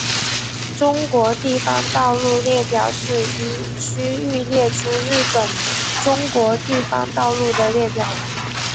中国地方道路列表是依区域列出日本中国地方道路的列表。